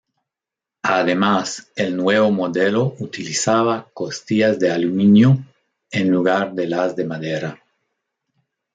Además, el nuevo modelo utilizaba costillas de aluminio en lugar de las de madera.